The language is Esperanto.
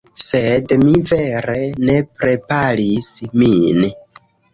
Sed mi vere ne preparis min